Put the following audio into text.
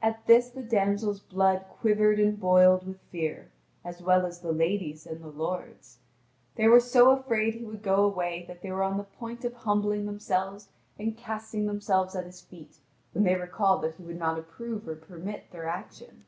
At this the damsel's blood quivered and boiled with fear, as well as the lady's and the lord's. They were so afraid he would go away that they were on the point of humbling themselves and casting themselves at his feet, when they recalled that he would not approve or permit their action.